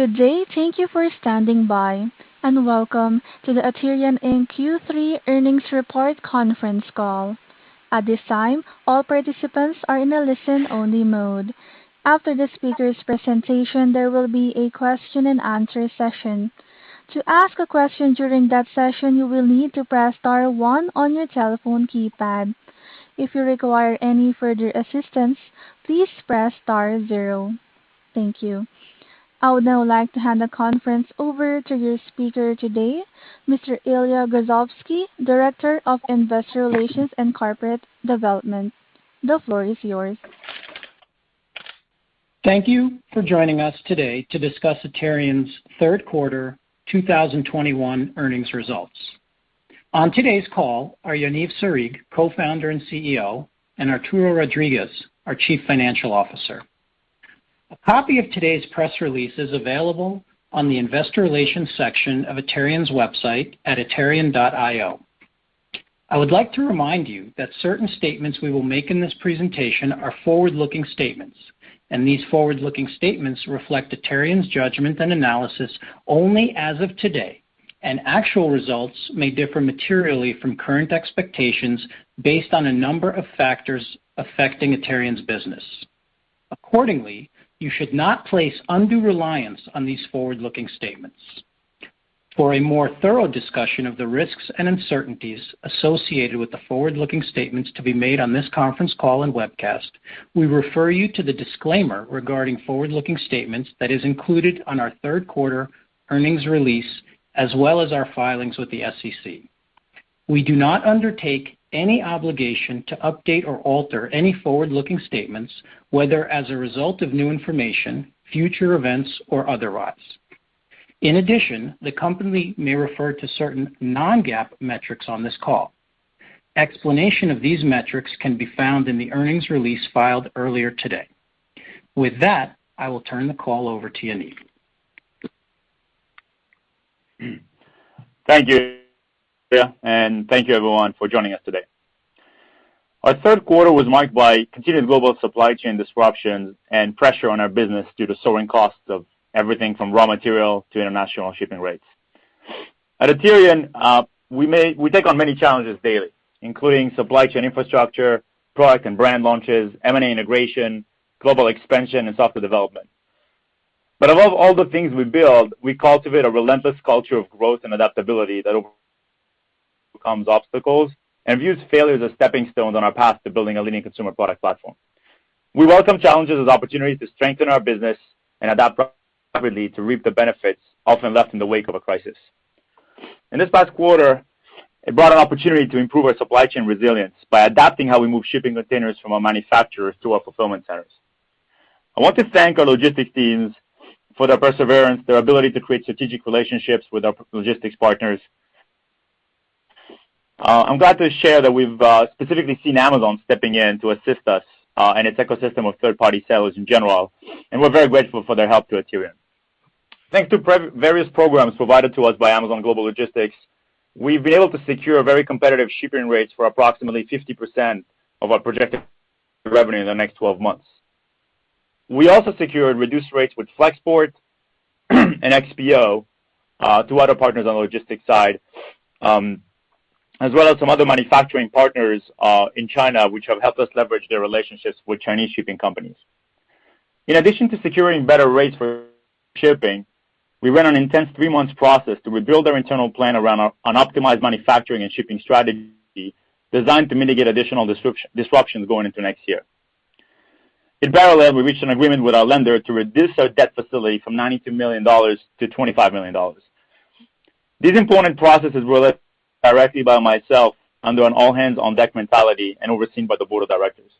Good day. Thank you for standing by, and welcome to the Aterian, Inc Q3 Earnings Report Conference Call. At this time, all participants are in a listen-only mode. After the speaker's presentation, there will be a question and answer session. To ask a question during that session, you will need to press star one on your telephone keypad. If you require any further assistance, please press star zero. Thank you. I would now like to hand the conference over to your speaker today, Mr. Ilya Grozovsky, Director of Investor Relations and Corporate Development. The floor is yours. Thank you for joining us today to discuss Aterian's third quarter 2021 earnings results. On today's call are Yaniv Sarig, Co-Founder and CEO, and Arturo Rodriguez, our Chief Financial Officer. A copy of today's press release is available on the investor relations section of Aterian's website at aterian.io. I would like to remind you that certain statements we will make in this presentation are forward-looking statements, and these forward-looking statements reflect Aterian's judgment and analysis only as of today. Actual results may differ materially from current expectations based on a number of factors affecting Aterian's business. Accordingly, you should not place undue reliance on these forward-looking statements. For a more thorough discussion of the risks and uncertainties associated with the forward-looking statements to be made on this conference call and webcast, we refer you to the disclaimer regarding forward-looking statements that is included on our third quarter earnings release, as well as our filings with the SEC. We do not undertake any obligation to update or alter any forward-looking statements, whether as a result of new information, future events, or otherwise. In addition, the company may refer to certain non-GAAP metrics on this call. Explanation of these metrics can be found in the earnings release filed earlier today. With that, I will turn the call over to Yaniv. Thank you, Ilya. Thank you everyone for joining us today. Our third quarter was marked by continued global supply chain disruptions and pressure on our business due to soaring costs of everything from raw material to international shipping rates. At Aterian, we take on many challenges daily, including supply chain infrastructure, product and brand launches, M&A integration, global expansion, and software development. Above all the things we build, we cultivate a relentless culture of growth and adaptability that overcomes obstacles and views failure as stepping stones on our path to building a leading consumer product platform. We welcome challenges as opportunities to strengthen our business and adapt rapidly to reap the benefits often left in the wake of a crisis. In this past quarter, it brought an opportunity to improve our supply chain resilience by adapting how we move shipping containers from our manufacturers to our fulfillment centers. I want to thank our logistics teams for their perseverance, their ability to create strategic relationships with our logistics partners. I'm glad to share that we've specifically seen Amazon stepping in to assist us and its ecosystem of third-party sellers in general, and we're very grateful for their help to Aterian. Thanks to various programs provided to us by Amazon Global Logistics, we've been able to secure very competitive shipping rates for approximately 50% of our projected revenue in the next 12 months. We also secured reduced rates with Flexport and XPO, two other partners on the logistics side, as well as some other manufacturing partners in China, which have helped us leverage their relationships with Chinese shipping companies. In addition to securing better rates for shipping, we ran an intense three months process to rebuild our internal plan around an optimized manufacturing and shipping strategy designed to mitigate additional disruptions going into next year. In parallel, we reached an agreement with our lender to reduce our debt facility from $92 million to $25 million. These important processes were led directly by myself under an all hands on deck mentality and overseen by the board of directors.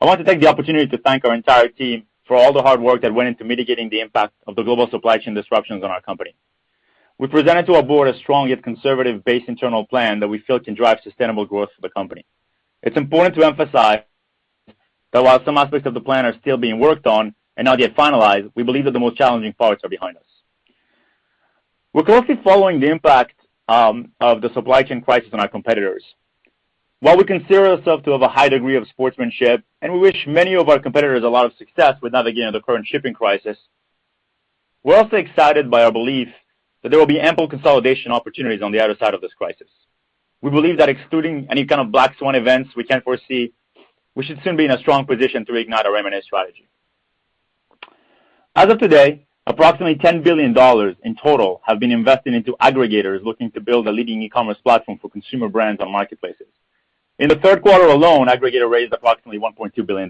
I want to take the opportunity to thank our entire team for all the hard work that went into mitigating the impact of the global supply chain disruptions on our company. We presented to our board a strong yet conservative base internal plan that we feel can drive sustainable growth for the company. It's important to emphasize that while some aspects of the plan are still being worked on and not yet finalized, we believe that the most challenging parts are behind us. We're closely following the impact of the supply chain crisis on our competitors. While we consider ourselves to have a high degree of sportsmanship, and we wish many of our competitors a lot of success with navigating the current shipping crisis, we're also excited by our belief that there will be ample consolidation opportunities on the other side of this crisis. We believe that excluding any kind of black swan events we can't foresee, we should soon be in a strong position to ignite our M&A strategy. As of today, approximately $10 billion in total have been invested into aggregators looking to build a leading e-commerce platform for consumer brands on marketplaces. In the third quarter alone, aggregator raised approximately $1.2 billion.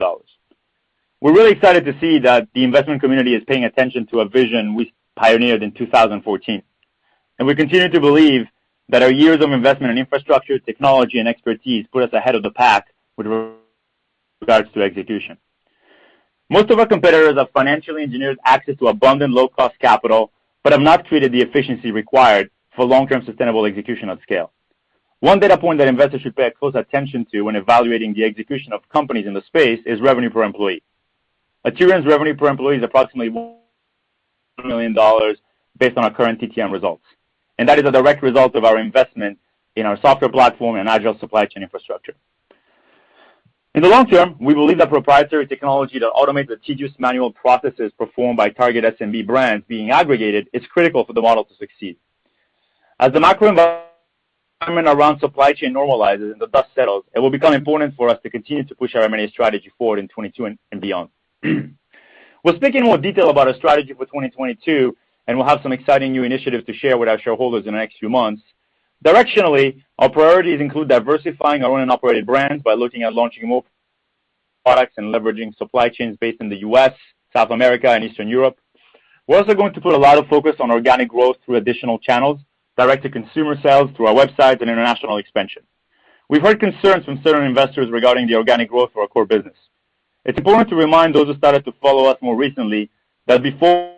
We're really excited to see that the investment community is paying attention to a vision we pioneered in 2014, and we continue to believe that our years of investment in infrastructure, technology, and expertise put us ahead of the pack with regards to execution. Most of our competitors have financially engineered access to abundant low-cost capital but have not created the efficiency required for long-term sustainable execution at scale. One data point that investors should pay close attention to when evaluating the execution of companies in the space is revenue per employee. Aterian's revenue per employee is approximately $1 million based on our current TTM results. That is a direct result of our investment in our software platform and agile supply chain infrastructure. In the long term, we believe that proprietary technology to automate the tedious manual processes performed by target SMB brands being aggregated is critical for the model to succeed. As the macro environment around supply chain normalizes and the dust settles, it will become important for us to continue to push our M&A strategy forward in 2022 and beyond. We'll speak in more detail about our strategy for 2022. We'll have some exciting new initiatives to share with our shareholders in the next few months. Directionally, our priorities include diversifying our own and operated brands by looking at launching more products and leveraging supply chains based in the U.S., South America and Eastern Europe. We're also going to put a lot of focus on organic growth through additional channels, direct to consumer sales through our websites and international expansion. We've heard concerns from certain investors regarding the organic growth for our core business. It's important to remind those who started to follow us more recently that before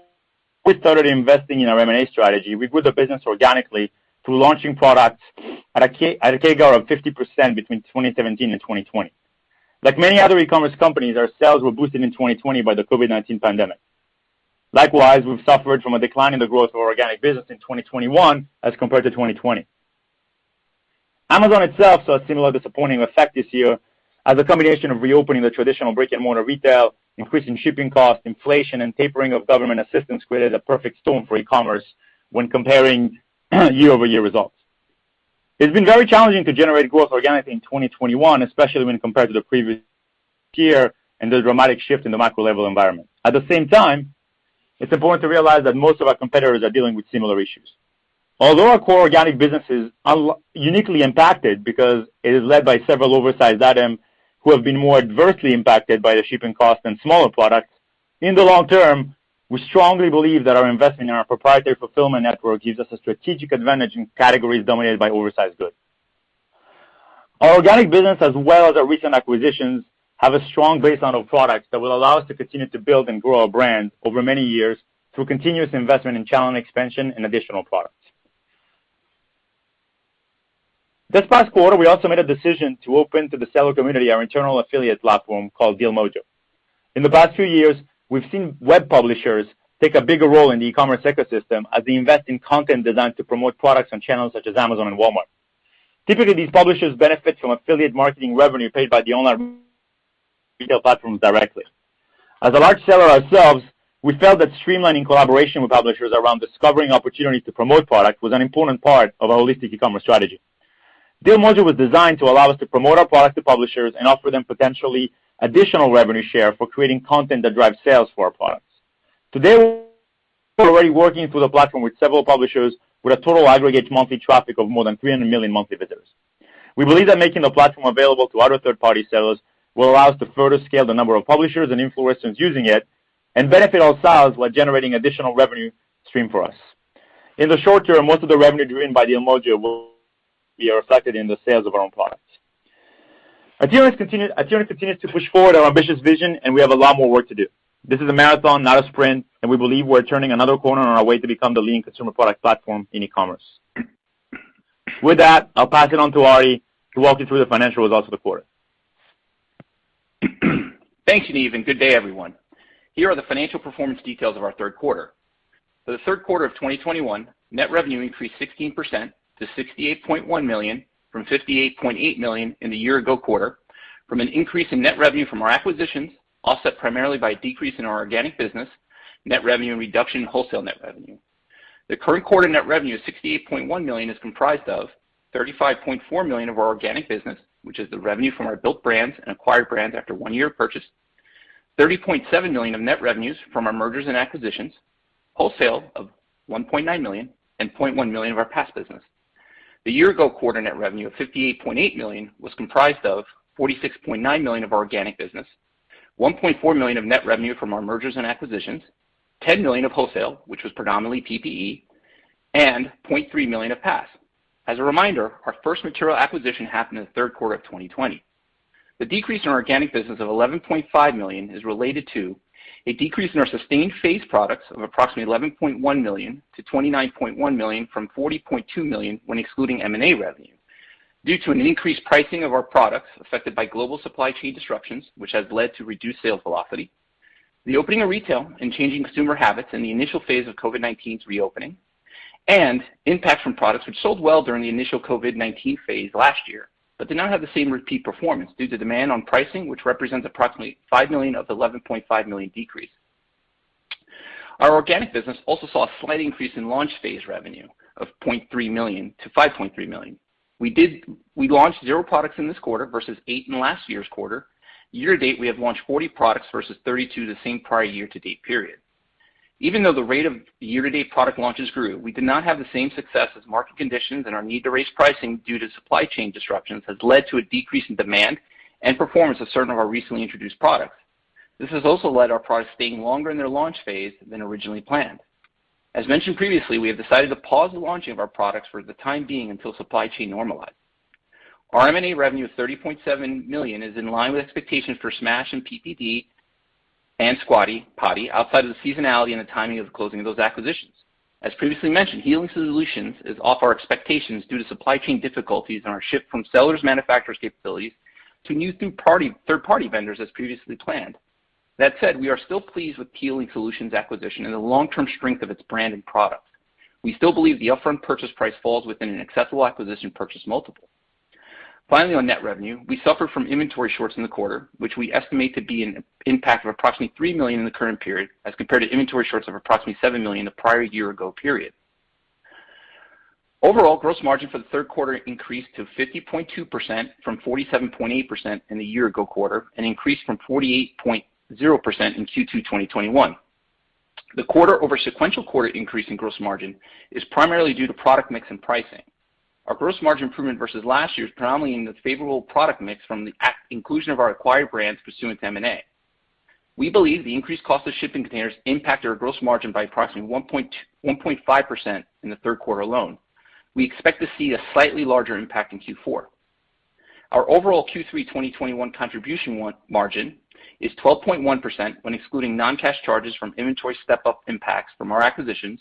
we started investing in our M&A strategy, we grew the business organically through launching products at a CAGR of 50% between 2017 and 2020. Like many other e-commerce companies, our sales were boosted in 2020 by the COVID-19 pandemic. Likewise, we've suffered from a decline in the growth of our organic business in 2021 as compared to 2020. Amazon itself saw a similar disappointing effect this year as a combination of reopening the traditional brick-and-mortar retail, increasing shipping costs, inflation, and tapering of government assistance created a perfect storm for e-commerce when comparing year-over-year results. It's been very challenging to generate growth organically in 2021, especially when compared to the previous year and the dramatic shift in the macro level environment. At the same time, it's important to realize that most of our competitors are dealing with similar issues. Although our core organic business is uniquely impacted because it is led by several oversized item who have been more adversely impacted by the shipping costs than smaller products, in the long term, we strongly believe that our investment in our proprietary fulfillment network gives us a strategic advantage in categories dominated by oversized goods. Our organic business as well as our recent acquisitions have a strong baseline of products that will allow us to continue to build and grow our brand over many years through continuous investment in channel expansion and additional products. This past quarter, we also made a decision to open to the seller community our internal affiliate platform called DealMojo. In the past few years, we've seen web publishers take a bigger role in the e-commerce ecosystem as they invest in content designed to promote products on channels such as Amazon and Walmart. Typically, these publishers benefit from affiliate marketing revenue paid by the online retail platforms directly. As a large seller ourselves, we felt that streamlining collaboration with publishers around discovering opportunities to promote products was an important part of our holistic e-commerce strategy. DealMojo was designed to allow us to promote our products to publishers and offer them potentially additional revenue share for creating content that drives sales for our products. To date, we're already working through the platform with several publishers with a total aggregate monthly traffic of more than 300 million monthly visitors. We believe that making the platform available to other third-party sellers will allow us to further scale the number of publishers and influencers using it and benefit our sales while generating additional revenue stream for us. In the short term, most of the revenue driven by DealMojo will be reflected in the sales of our own products. Aterian continues to push forward our ambitious vision. We have a lot more work to do. This is a marathon, not a sprint, and we believe we're turning another corner on our way to become the leading consumer product platform in e-commerce. With that, I'll pass it on to Ari to walk you through the financial results of the quarter. Thanks, Yaniv. Good day, everyone. Here are the financial performance details of our third quarter. For the third quarter of 2021, net revenue increased 16% to $68.1 million from $58.8 million in the year-ago quarter from an increase in net revenue from our acquisitions, offset primarily by a decrease in our organic business, net revenue, and reduction in wholesale net revenue. The current quarter net revenue of $68.1 million is comprised of $35.4 million of our organic business, which is the revenue from our built brands and acquired brands after one year of purchase, $30.7 million of net revenues from our mergers and acquisitions, wholesale of $1.9 million, and $0.1 million of our PaaS business. The year ago quarter net revenue of $58.8 million was comprised of $46.9 million of our organic business, $1.4 million of net revenue from our mergers and acquisitions, $10 million of wholesale, which was predominantly PPE, and $0.3 million of PaaS. As a reminder, our first material acquisition happened in the third quarter of 2020. The decrease in our organic business of $11.5 million is related to a decrease in our sustained phase products of approximately $11.1 million to $29.1 million from $40.2 million when excluding M&A revenue due to an increased pricing of our products affected by global supply chain disruptions, which has led to reduced sales velocity, the opening of retail and changing consumer habits in the initial phase of COVID-19's reopening, and impact from products which sold well during the initial COVID-19 phase last year, but did not have the same repeat performance due to demand on pricing, which represents approximately $5 million of the $11.5 million decrease. Our organic business also saw a slight increase in launch phase revenue of $0.3 million to $5.3 million. We launched zero products in this quarter versus eight in last year's quarter. Year-to-date, we have launched 40 products versus 32 the same prior year-to-date period. Even though the rate of year-to-date product launches grew, we did not have the same success as market conditions and our need to raise pricing due to supply chain disruptions has led to a decrease in demand and performance of certain of our recently introduced products. This has also led our products staying longer in their launch phase than originally planned. As mentioned previously, we have decided to pause the launching of our products for the time being until supply chain normalize. Our M&A revenue of $30.7 million is in line with expectations for Smash and PPD and Squatty Potty outside of the seasonality and the timing of the closing of those acquisitions. As previously mentioned, Healing Solutions is off our expectations due to supply chain difficulties on our ship from sellers manufacturer's capabilities to new third-party vendors as previously planned. That said, we are still pleased with Healing Solutions acquisition and the long-term strength of its brand and product. We still believe the upfront purchase price falls within an acceptable acquisition purchase multiple. Finally, on net revenue, we suffered from inventory shorts in the quarter, which we estimate to be an impact of approximately $3 million in the current period as compared to inventory shorts of approximately $7 million the prior year-ago period. Overall, gross margin for the third quarter increased to 50.2% from 47.8% in the year-ago quarter, and increased from 48.0% in Q2 2021. The quarter over sequential quarter increase in gross margin is primarily due to product mix and pricing. Our gross margin improvement versus last year is predominantly in the favorable product mix from the inclusion of our acquired brands pursuant to M&A. We believe the increased cost of shipping containers impacted our gross margin by approximately 1.5% in the third quarter alone. We expect to see a slightly larger impact in Q4. Our overall Q3 2021 contribution margin is 12.1% when excluding non-cash charges from inventory step-up impacts from our acquisitions,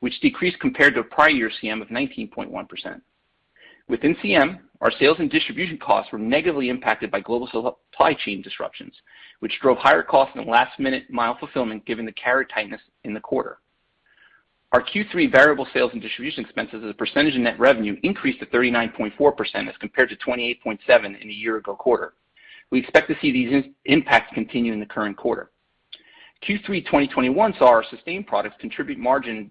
which decreased compared to a prior year CM of 19.1%. Within CM, our sales and distribution costs were negatively impacted by global supply chain disruptions, which drove higher costs than last-minute mile fulfillment given the carrier tightness in the quarter. Our Q3 variable sales and distribution expenses as a percentage of net revenue increased to 39.4% as compared to 28.7% in the year-ago quarter. We expect to see these impacts continue in the current quarter. Q3 2021 saw our sustained products contribute margin--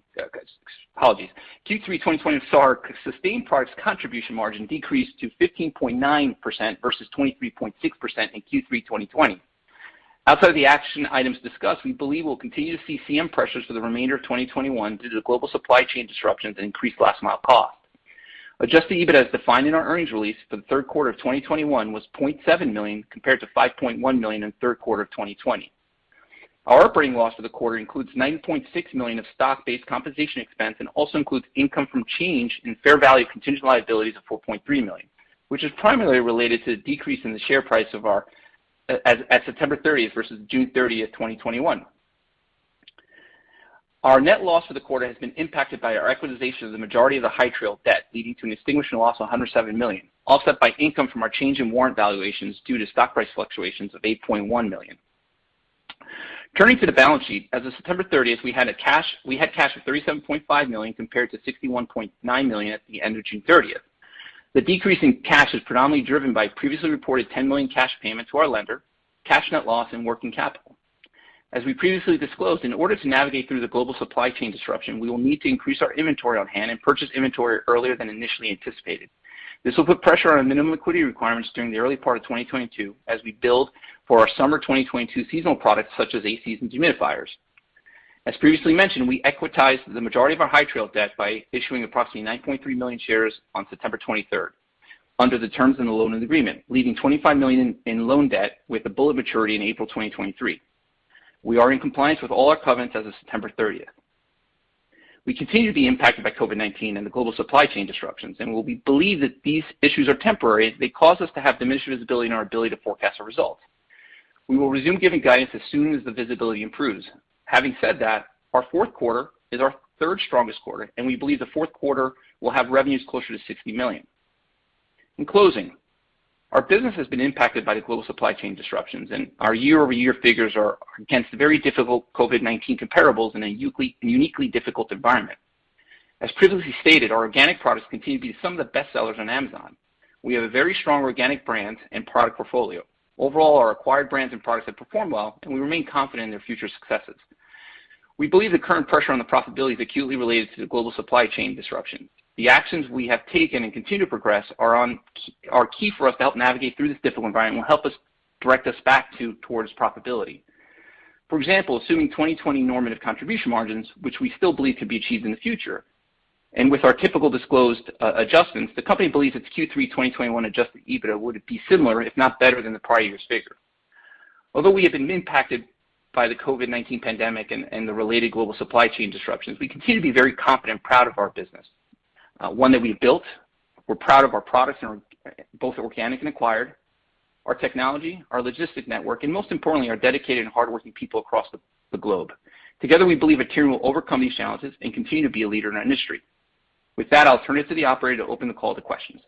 Apologies. Q3 2020 saw our sustained products contribution margin decrease to 15.9% versus 23.6% in Q3 2020. Outside the action items discussed, we believe we'll continue to see CM pressures for the remainder of 2021 due to the global supply chain disruptions and increased last mile costs. Adjusted EBITDA, as defined in our earnings release for the third quarter of 2021, was $0.7 million compared to $5.1 million in the third quarter of 2020. Our operating loss for the quarter includes $9.6 million of stock-based compensation expense and also includes income from change in fair value of contingent liabilities of $4.3 million, which is primarily related to the decrease in the share price at September 30th versus June 30th, 2021. Our net loss for the quarter has been impacted by our equitization of the majority of the High Trail debt, leading to an extinguishing loss of $107 million, offset by income from our change in warrant valuations due to stock price fluctuations of $8.1 million. Turning to the balance sheet. As of September 30th, we had cash of $37.5 million compared to $61.9 million at the end of June 30th. The decrease in cash is predominantly driven by previously reported $10 million cash payment to our lender, cash net loss, and working capital. As we previously disclosed, in order to navigate through the global supply chain disruption, we will need to increase our inventory on hand and purchase inventory earlier than initially anticipated. This will put pressure on our minimum equity requirements during the early part of 2022 as we build for our summer 2022 seasonal products, such as ACs and dehumidifiers. As previously mentioned, we equitized the majority of our High Trail debt by issuing approximately $9.3 million shares on September 23rd under the terms in the loan and agreement, leaving $25 million in loan debt with a bullet maturity in April 2023. We are in compliance with all our covenants as of September 30th. We continue to be impacted by COVID-19 and the global supply chain disruptions, while we believe that these issues are temporary, they cause us to have diminished visibility in our ability to forecast our results. We will resume giving guidance as soon as the visibility improves. Having said that, our fourth quarter is our third strongest quarter, we believe the fourth quarter will have revenues closer to $60 million. In closing, our business has been impacted by the global supply chain disruptions, our year-over-year figures are against very difficult COVID-19 comparables in a uniquely difficult environment. As previously stated, our organic products continue to be some of the best sellers on Amazon. We have a very strong organic brand and product portfolio. Overall, our acquired brands and products have performed well, we remain confident in their future successes. We believe the current pressure on the profitability is acutely related to the global supply chain disruption. The actions we have taken and continue to progress are key for us to help navigate through this difficult environment will help us direct us back towards profitability. For example, assuming 2020 normative contribution margins, which we still believe could be achieved in the future, and with our typical disclosed adjustments, the company believes its Q3 2021 adjusted EBITDA would be similar if not better than the prior year's figure. We have been impacted by the COVID-19 pandemic and the related global supply chain disruptions, we continue to be very confident and proud of our business, one that we've built. We're proud of our products, both organic and acquired, our technology, our logistic network, and most importantly, our dedicated and hardworking people across the globe. Together, we believe Aterian will overcome these challenges and continue to be a leader in our industry. With that, I'll turn it to the operator to open the call to questions.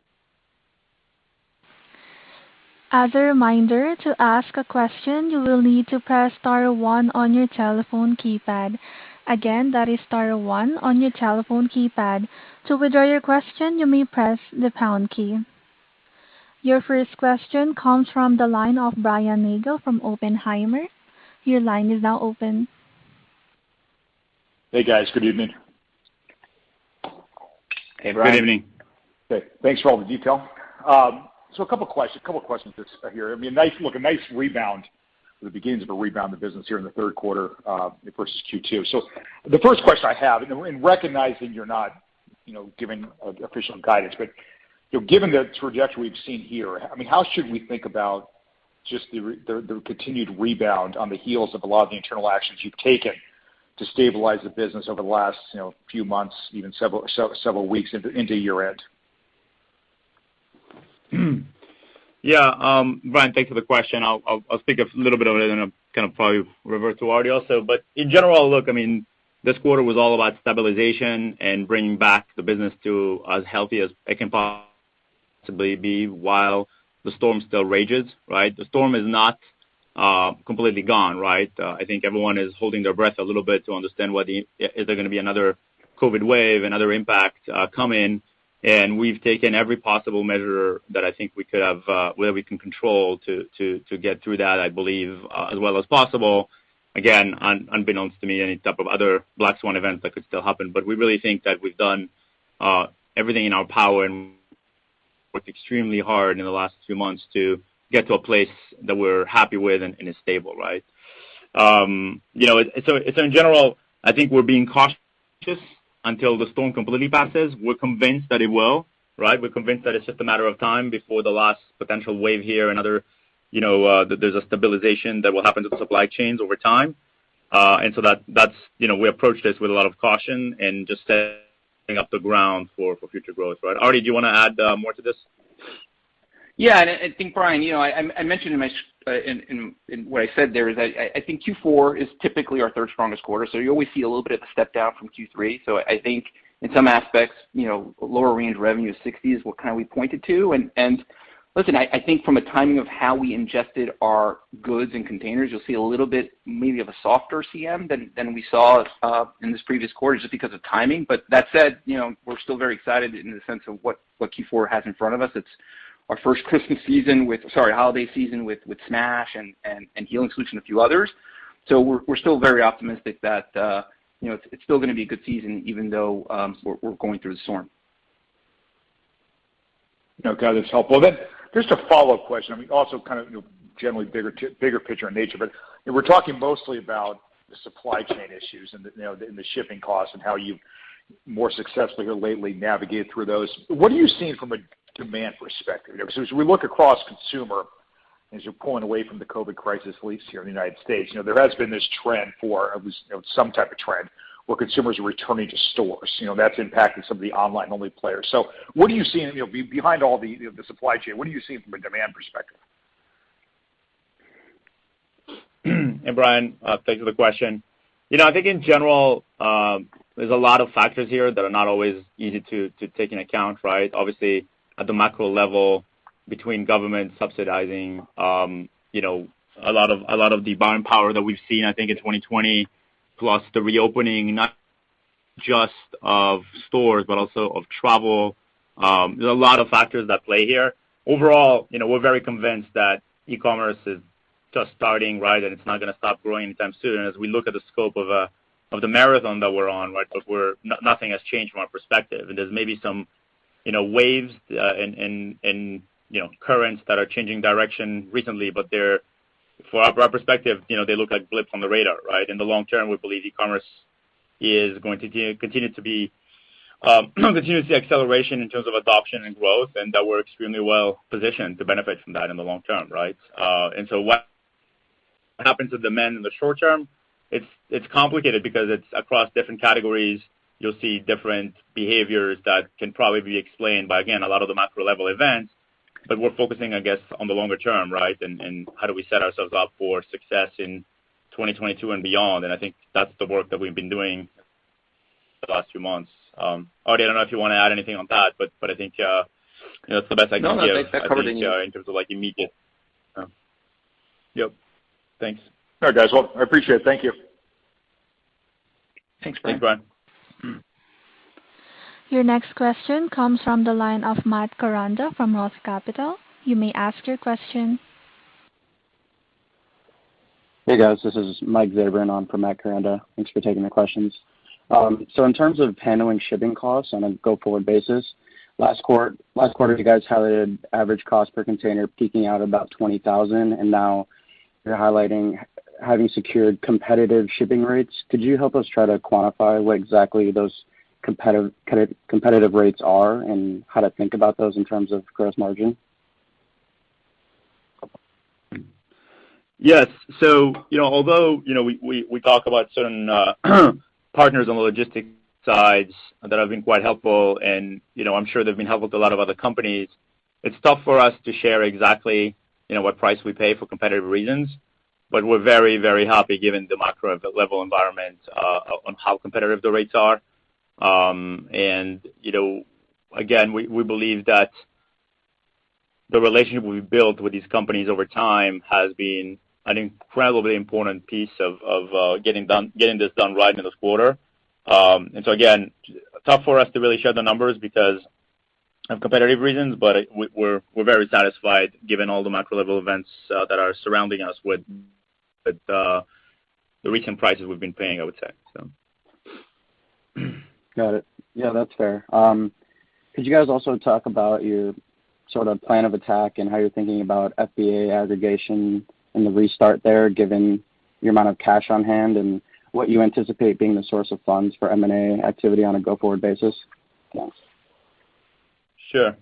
As a reminder, to ask a question, you will need to press star one on your telephone keypad. Again, that is star one on your telephone keypad. To withdraw your question, you may press the pound key. Your first question comes from the line of Brian Nagel from Oppenheimer. Your line is now open. Hey, guys. Good evening. Hey, Brian. Good evening. Okay, thanks for all the detail. A couple of questions here. I mean, a nice look, a nice rebound or the beginnings of a rebound of business here in the third quarter, versus Q2. The first question I have, and recognizing you're not, you know, giving official guidance, but, you know, given the trajectory we've seen here, I mean, how should we think about just the the continued rebound on the heels of a lot of the internal actions you've taken to stabilize the business over the last, you know, few months, even several weeks into year-end? Yeah. Brian, thank you for the question. I'll speak a little bit of it and then kind of probably revert to Artie also. In general, look, I mean, this quarter was all about stabilization and bringing back the business to as healthy as it can be while the storm still rages, right? The storm is not completely gone, right? I think everyone is holding their breath a little bit to understand what is there gonna be another COVID wave, another impact coming. We've taken every possible measure that I think we could have, where we can control to get through that, I believe, as well as possible. Again, unbeknownst to me, any type of other black swan event that could still happen. We really think that we've done everything in our power and worked extremely hard in the last two months to get to a place that we're happy with and is stable, right? You know, in general, I think we're being cautious until the storm completely passes. We're convinced that it will, right? We're convinced that it's just a matter of time before the last potential wave here, another, you know, that there's a stabilization that will happen to the supply chains over time. That's, you know, we approach this with a lot of caution and just setting up the ground for future growth, right? Artie, do you wanna add more to this? Yeah. I think, Brian, you know, I mentioned in what I said there is I think Q4 is typically our third strongest quarter, so you always see a little bit of a step down from Q3. I think in some aspects, you know, lower range revenue of $60 is what kind of we pointed to. Listen, I think from a timing of how we ingested our goods and containers, you'll see a little bit maybe of a softer CM than we saw in this previous quarter just because of timing. That said, you know, we're still very excited in the sense of what Q4 has in front of us. It's our first Christmas season sorry, holiday season with Smash and Healing Solutions and a few others. We're still very optimistic that, you know, it's still going to be a good season even though, we're going through the storm. Okay, that's helpful. Just a follow-up question. I mean, also kind of, you know, generally bigger picture in nature, but we're talking mostly about the supply chain issues and the, you know, and the shipping costs and how you've more successfully here lately navigated through those. What are you seeing from a demand perspective? You know, 'cause as we look across consumer, as you're pulling away from the COVID-19 crisis at least here in the U.S., you know, there has been this trend for at least, you know, some type of trend where consumers are returning to stores. You know, that's impacted some of the online-only players. What are you seeing, you know, behind all the, you know, the supply chain? What are you seeing from a demand perspective? Brian, thanks for the question. You know, I think in general, there's a lot of factors here that are not always easy to take into account. Obviously, at the macro level between government subsidizing, you know, a lot of the buying power that we've seen, I think in 2020, plus the reopening not just of stores, but also of travel. There's a lot of factors that play here. Overall, you know, we're very convinced that e-commerce is just starting. It's not gonna stop growing anytime soon. As we look at the scope of the marathon that we're on, nothing has changed from our perspective. There's maybe some, you know, waves, and, you know, currents that are changing direction recently, but from our perspective, you know, they look like blips on the radar, right? In the long term, we believe e-commerce is going to continue to be, continue to see acceleration in terms of adoption and growth, and that we're extremely well positioned to benefit from that in the long term, right? What happens to demand in the short term, it's complicated because it's across different categories. You'll see different behaviors that can probably be explained by, again, a lot of the macro level events. We're focusing, I guess, on the longer term, right? How do we set ourselves up for success in 2022 and beyond. I think that's the work that we've been doing the last few months. Artie, I don't know if you wanna add anything on that, but I think, you know, that's the best I can give- No, no, that covered it. -in terms of like immediate. Yep. Thanks. All right, guys. I appreciate it. Thank you. Thanks, Brian. Thanks, Brian. Your next question comes from the line of Matt Koranda from ROTH Capital. You may ask your question. Hey, guys, this is [Mike Xavier] for Matt Koranda. Thanks for taking my questions. In terms of [handling] shipping costs on a basis, last quarter you guys had an average cost per container peaking out about $20,000, and now you're highlighting heavy, secured, competitive shipping rates. Could you help us try to quantify exactly what those competitive rates, and how to think about those in terms of gross margin? Yes. you know, although, you know, we talk about certain partners on the logistics sides that have been quite helpful, and, you know, I'm sure they've been helpful to a lot of other companies, it's tough for us to share exactly, you know, what price we pay for competitive reasons. we're very, very happy given the macro level environment on how competitive the rates are. you know, again, we believe that the relationship we've built with these companies over time has been an incredibly important piece of getting this done right in this quarter. Again, tough for us to really share the numbers because of competitive reasons, but we're very satisfied given all the macro level events that are surrounding us with the recent prices we've been paying, I would say. Got it. Yeah, that's fair. Could you guys also talk about your sort of plan of attack and how you're thinking about FBA aggregation and the restart there, given your amount of cash on hand and what you anticipate being the source of funds for M&A activity on a go-forward basis? Thanks. Sure.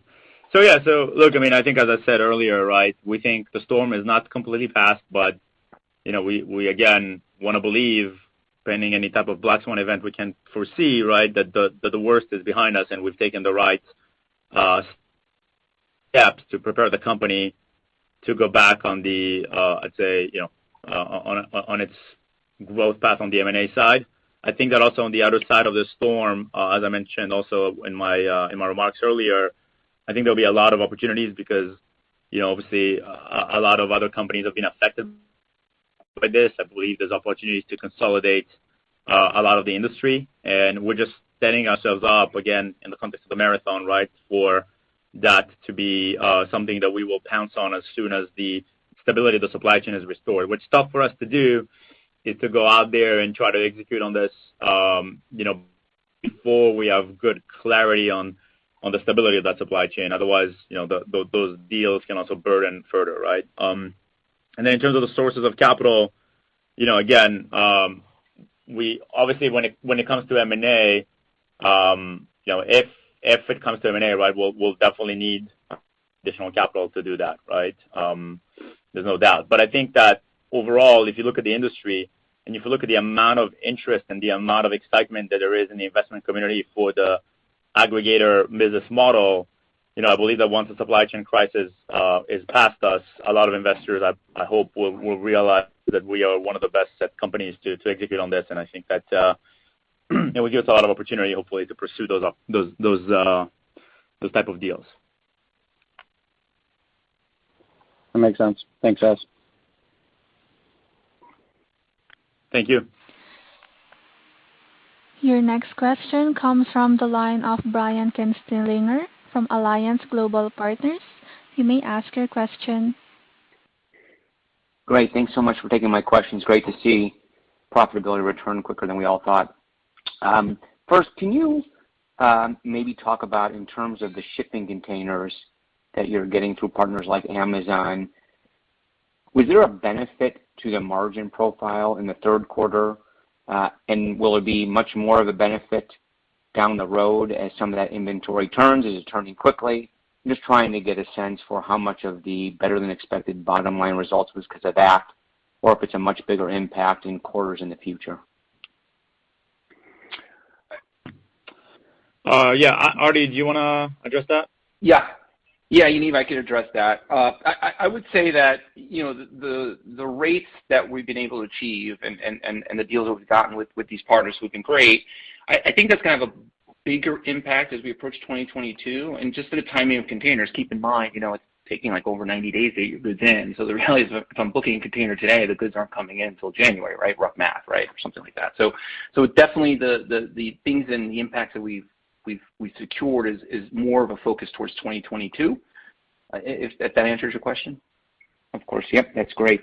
Yeah, look, I mean, I think as I said earlier, right, we think the storm is not completely passed, you know, we again, wanna believe pending any type of black swan event we can't foresee, right? That the worst is behind us and we've taken the right steps to prepare the company to go back I'd say, you know, on its growth path on the M&A side. I think that also on the other side of this storm, as I mentioned also in my remarks earlier, I think there'll be a lot of opportunities because, you know, obviously a lot of other companies have been affected by this. I believe there's opportunities to consolidate a lot of the industry, and we're just setting ourselves up again in the context of the marathon, right, for that to be something that we will pounce on as soon as the stability of the supply chain is restored. What's tough for us to do is to go out there and try to execute on this, you know, before we have good clarity on the stability of that supply chain. Otherwise, you know, those deals can also burden further, right? Then in terms of the sources of capital, you know, again. Obviously, when it comes to M&A, you know, if it comes to M&A, right, we'll definitely need additional capital to do that, right? There's no doubt. I think that overall, if you look at the industry and if you look at the amount of interest and the amount of excitement that there is in the investment community for the aggregator business model, you know, I believe that once the supply chain crisis is past us, a lot of investors I hope will realize that we are one of the best set companies to execute on this. I think that it will give us a lot of opportunity hopefully to pursue those type of deals. That makes sense. Thanks, guys. Thank you. Your next question comes from the line of Brian Kinstlinger from Alliance Global Partners. You may ask your question. Great. Thanks so much for taking my questions. Great to see profitability return quicker than we all thought. first can you maybe talk about in terms of the shipping containers that you're getting through partners like Amazon, was there a benefit to the margin profile in the third quarter? and will it be much more of a benefit down the road as some of that inventory turns? Is it turning quickly? I'm just trying to get a sense for how much of the better than expected bottom line results was 'cause of that, or if it's a much bigger impact in quarters in the future. Yeah. Artie, do you wanna address that? Yeah. Yeah, Yaniv, I can address that. I would say that, you know, the rates that we've been able to achieve and the deals that we've gotten with these partners who've been great, I think that's kind of a bigger impact as we approach 2022. Just for the timing of containers, keep in mind, you know, it's taking like over 90 days to get the goods in. The reality is if I'm booking a container today, the goods aren't coming in till January, right? Rough math, right? Or something like that. Definitely the things and the impact that we've secured is more of a focus towards 2022. If that answers your question. Of course. Yep. That's great.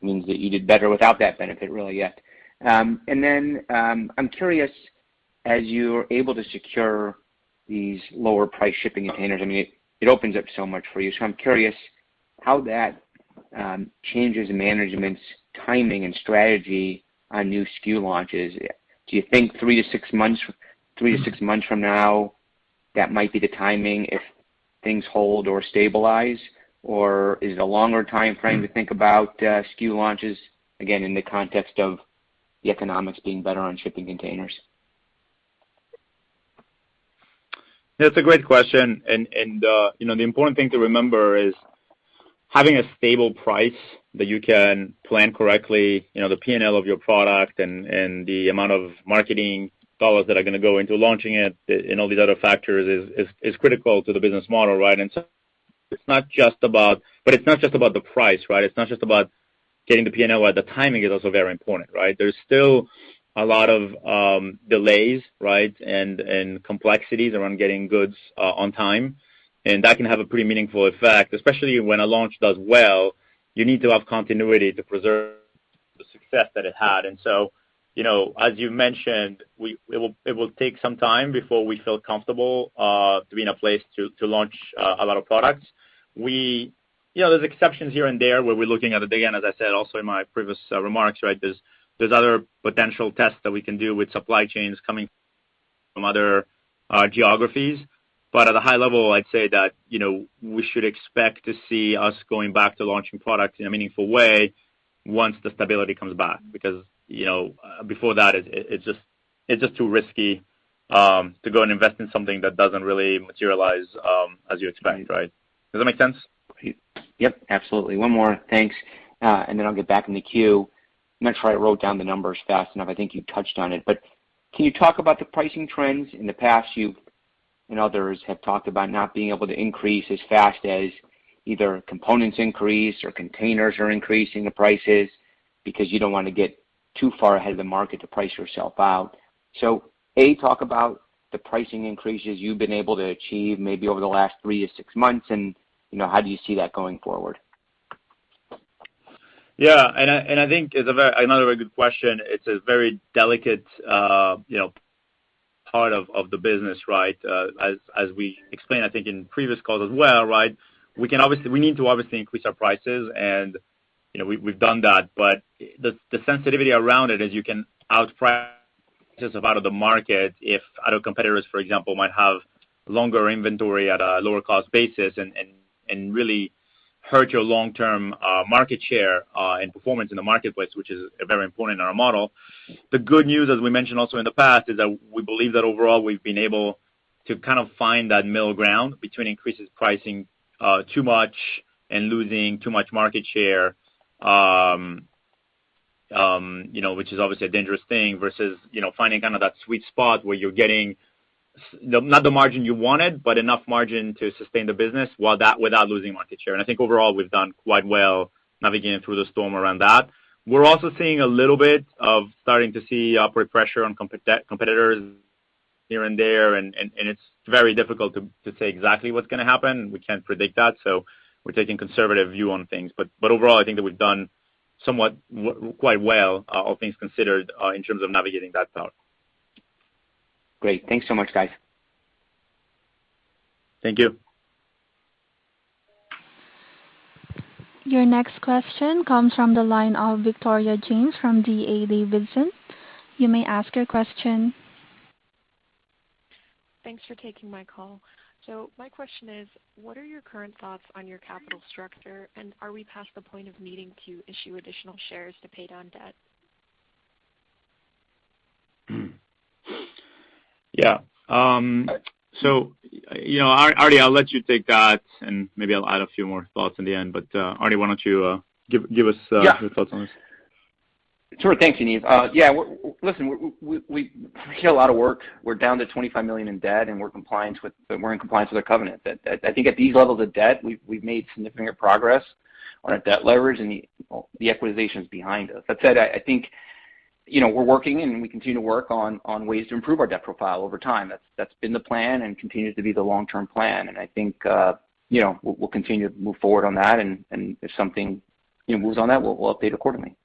Means that you did better without that benefit really yet. I'm curious as you're able to secure these lower price shipping containers, I mean, it opens up so much for you. I'm curious how that changes management's timing and strategy on new SKU launches. Do you think three to six months from now that might be the timing if things hold or stabilize? Is it a longer timeframe to think about SKU launches, again, in the context of the economics being better on shipping containers? That's a great question. you know, the important thing to remember is having a stable price that you can plan correctly, you know, the P&L of your product and the amount of marketing dollars that are gonna go into launching it and all these other factors is critical to the business model, right? it's not just about the price, right? It's not just about getting the P&L. The timing is also very important, right? There's still a lot of delays, right? complexities around getting goods on time, and that can have a pretty meaningful effect, especially when a launch does well, you need to have continuity to preserve the success that it had. You know, as you mentioned, it will take some time before we feel comfortable to be in a place to launch a lot of products. You know, there's exceptions here and there where we're looking at it again, as I said also in my previous remarks, right? There's other potential tests that we can do with supply chains coming from other geographies. At a high level, I'd say that, you know, we should expect to see us going back to launching products in a meaningful way once the stability comes back. You know, before that, it's just too risky to go and invest in something that doesn't really materialize as you expect, right? Does that make sense? Yep, absolutely. One more. Thanks. Then I'll get back in the queue. I'm not sure I wrote down the numbers fast enough. I think you touched on it. Can you talk about the pricing trends? In the past, you and others have talked about not being able to increase as fast as either components increase or containers are increasing the prices because you don't want to get too far ahead of the market to price yourself out. A, talk about the pricing increases you've been able to achieve maybe over the last three to six months, and, you know, how do you see that going forward? Yeah, I think it's another very good question. It's a very delicate, you know, part of the business, right? As we explained, I think in previous calls as well, right? We need to obviously increase our prices and, you know, we've done that. The sensitivity around it is you can outprice just about of the market if other competitors, for example, might have longer inventory at a lower cost basis and really hurt your long-term market share and performance in the marketplace, which is very important in our model. The good news, as we mentioned also in the past, is that we believe that overall we've been able to kind of find that middle ground between increases pricing too much and losing too much market share, you know, which is obviously a dangerous thing versus, you know, finding kind of that sweet spot where you're getting not the margin you wanted, but enough margin to sustain the business without losing market share. I think overall, we've done quite well navigating through the storm around that. We're also seeing a little bit of starting to see upward pressure on competitors here and there, and it's very difficult to say exactly what's gonna happen. We can't predict that, We're taking conservative view on things. Overall, I think that we've done somewhat quite well, all things considered, in terms of navigating that part. Great. Thanks so much, guys. Thank you. Your next question comes from the line of Victoria James from D.A. Davidson. You may ask your question. Thanks for taking my call. My question is, what are your current thoughts on your capital structure, and are we past the point of needing to issue additional shares to pay down debt? Yeah. You know, Artie, I'll let you take that, and maybe I'll add a few more thoughts in the end. Artie, why don't you, give us- Yeah. -your thoughts on this. Sure. Thank you, Yaniv. Yeah. Listen, we had a lot of work. We're down to $25 million in debt, and we're in compliance with our covenant. I think at these levels of debt, we've made significant progress on our debt leverage and the, well, the acquisition's behind us. That said, I think, you know, we're working and we continue to work on ways to improve our debt profile over time. That's been the plan and continues to be the long-term plan. I think, you know, we'll continue to move forward on that, and if something, you know, moves on that, we'll update accordingly.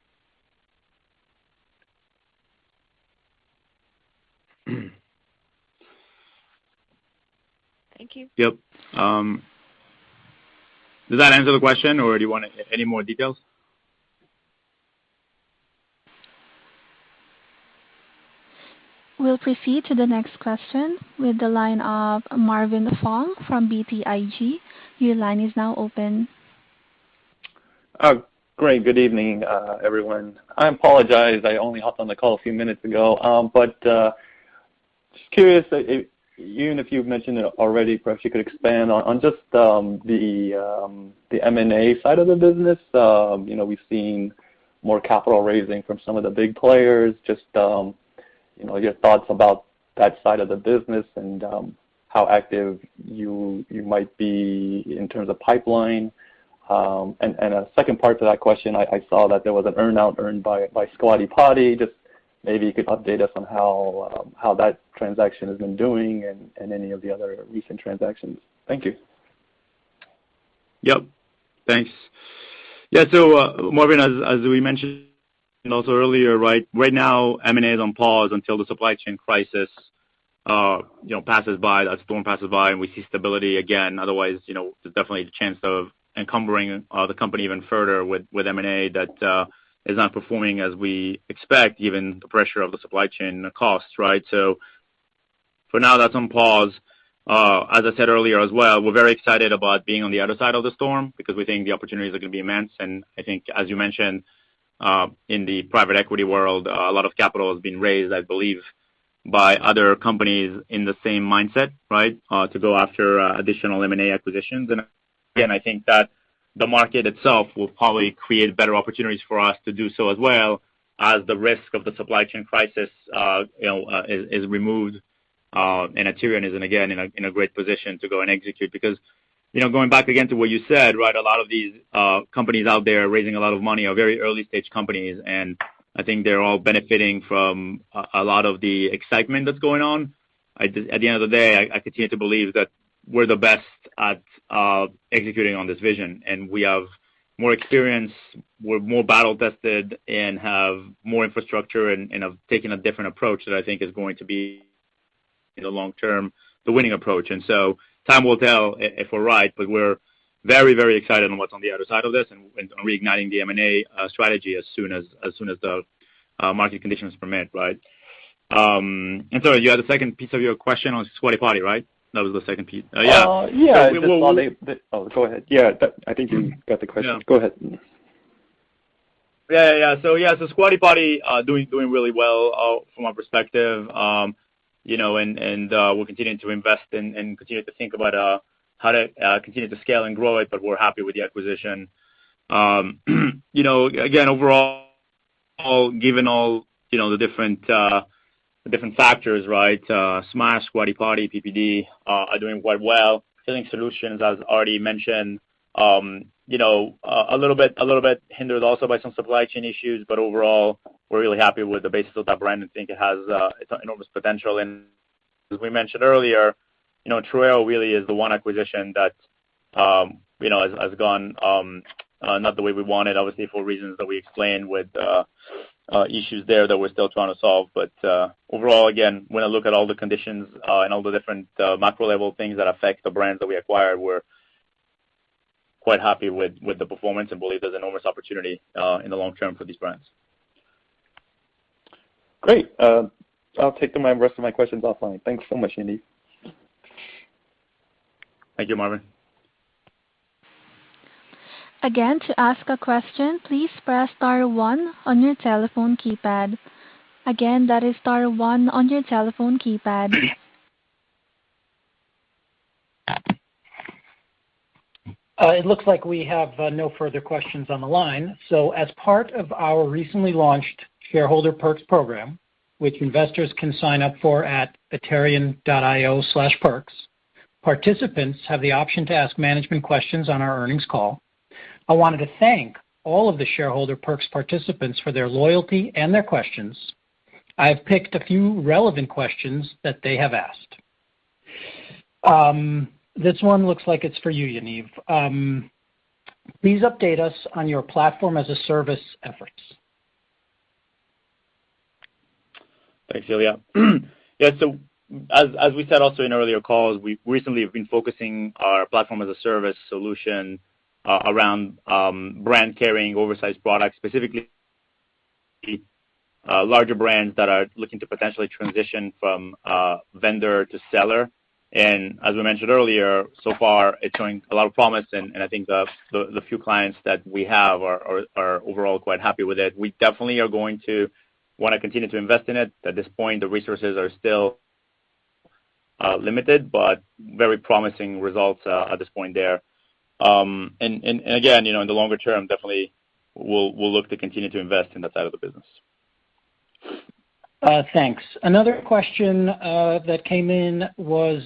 Thank you. Yep. Does that answer the question or do you want any more details? We'll proceed to the next question with the line of Marvin Fong from BTIG. Your line is now open. Great. Good evening, everyone. I apologize. I only hopped on the call a few minutes ago. Just curious if even if you've mentioned it already, perhaps you could expand on just the M&A side of the business. You know, we've seen more capital raising from some of the big players. Just, you know, your thoughts about that side of the business and how active you might be in terms of pipeline. A second part to that question, I saw that there was an earn-out earned by Squatty Potty. Just maybe you could update us on how that transaction has been doing and any of the other recent transactions. Thank you. Yep. Thanks. Yeah. Marvin, as we mentioned also earlier, right now, M&A is on pause until the supply chain crisis, you know, passes by, that storm passes by and we see stability again. Otherwise, you know, there's definitely the chance of encumbering the company even further with M&A that is not performing as we expect, given the pressure of the supply chain costs, right? For now, that's on pause. As I said earlier as well, we're very excited about being on the other side of the storm because we think the opportunities are gonna be immense. I think as you mentioned, in the private equity world, a lot of capital has been raised, I believe, by other companies in the same mindset, right? To go after additional M&A acquisitions. Again, I think that the market itself will probably create better opportunities for us to do so as well as the risk of the supply chain crisis, you know, is removed. Aterian is again in a great position to go and execute. You know, going back again to what you said, right? A lot of these companies out there raising a lot of money are very early stage companies, and I think they're all benefiting from a lot of the excitement that's going on. At the end of the day, I continue to believe that we're the best at executing on this vision, and we have more experience. We're more battle tested and have more infrastructure and have taken a different approach that I think is going to be, in the long term, the winning approach. Time will tell if we're right, but we're very, very excited on what's on the other side of this and reigniting the M&A strategy as soon as the market conditions permit, right? You had a second piece of your question on Squatty Potty, right? That was the second piece. Yeah. Yeah. Well, Oh, go ahead. Yeah. I think you got the question. Yeah. Go ahead. Yeah, Squatty Potty doing really well from our perspective. You know, we're continuing to invest and continue to think about how to continue to scale and grow it, but we're happy with the acquisition. You know, again, overall, given all, you know, the different factors, right? Smash, Squatty Potty, PPD are doing quite well. Healing Solutions, as Ari mentioned, you know, a little bit hindered also by some supply chain issues, but overall, we're really happy with the basis of that brand and think it has enormous potential. As we mentioned earlier, you know, Truweo really is the one acquisition that, you know, has gone not the way we wanted, obviously for reasons that we explained with issues there that we're still trying to solve. Overall, again, when I look at all the conditions, and all the different macro level things that affect the brands that we acquired, we're quite happy with the performance and believe there's enormous opportunity in the long term for these brands. Great. I'll take the rest of my questions offline. Thanks so much, Yaniv. Thank you, Marvin. Again, to ask a question, please press star one on your telephone keypad. Again, that is star one on your telephone keypad. It looks like we have no further questions on the line. As part of our recently launched Shareholder Perks Program, which investors can sign up for at aterian.io/perks, participants have the option to ask management questions on our earnings call. I wanted to thank all of the Shareholder Perks participants for their loyalty and their questions. I have picked a few relevant questions that they have asked. This one looks like it's for you, Yaniv. Please update us on your platform-as-a-service efforts. Thanks, Ilya. Yeah. As we said also in earlier calls, we recently have been focusing our platform-as-a-service solution around brand carrying oversized products, specifically larger brands that are looking to potentially transition from vendor to seller. As we mentioned earlier, so far it's showing a lot of promise and I think the few clients that we have are overall quite happy with it. We definitely are going to want to continue to invest in it. At this point, the resources are still limited, but very promising results at this point there. Again, in the longer term, definitely we'll look to continue to invest in that side of the business. Thanks. Another question, that came in was,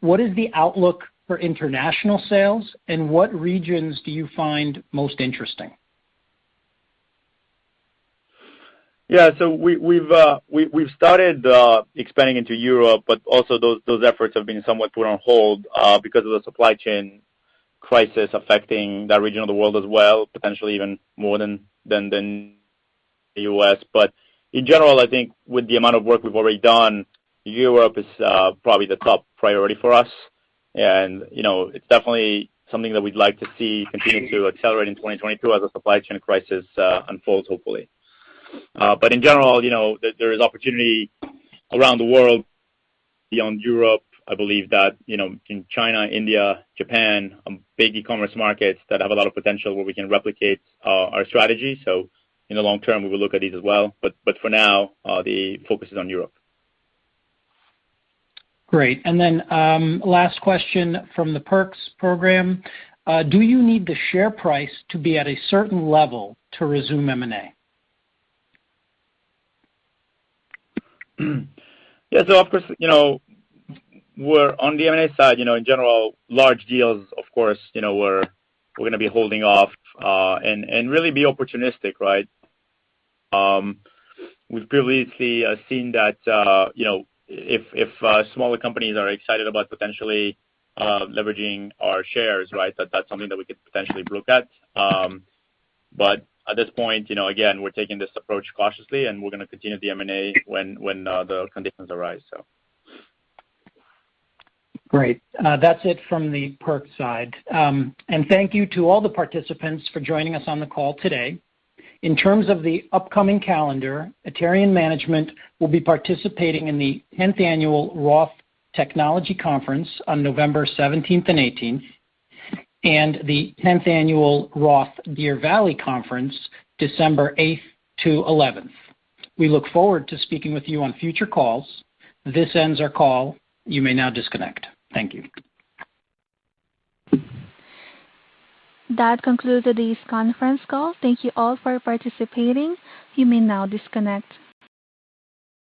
what is the outlook for international sales and what regions do you find most interesting? Yeah. We've started expanding into Europe, but also those efforts have been somewhat put on hold because of the supply chain crisis affecting that region of the world as well, potentially even more than the U.S. In general, I think with the amount of work we've already done, Europe is probably the top priority for us. You know, it's definitely something that we'd like to see continuing to accelerate in 2022 as the supply chain crisis unfolds, hopefully. In general, you know, there is opportunity around the world beyond Europe. I believe that, you know, in China, India, Japan, big e-commerce markets that have a lot of potential where we can replicate our strategy. In the long term, we will look at these as well. For now, the focus is on Europe. Great. Last question from the perks program. Do you need the share price to be at a certain level to resume M&A? Yeah. Of course, you know, we're on the M&A side, you know, in general, large deals, of course, you know, we're gonna be holding off, and really be opportunistic, right? We've previously seen that, you know, if smaller companies are excited about potentially, leveraging our shares, right? That's something that we could potentially look at. At this point, you know, again, we're taking this approach cautiously and we're gonna continue the M&A when the conditions arise, so. Great. That's it from the perks side. Thank you to all the participants for joining us on the call today. In terms of the upcoming calendar, Aterian management will be participating in the 10th annual ROTH Technology Conference on November 17th and 18th, and the 10th annual ROTH Deer Valley Conference, December 8th to 11th. We look forward to speaking with you on future calls. This ends our call. You may now disconnect. Thank you. That concludes today's conference call. Thank you all for participating. You may now disconnect.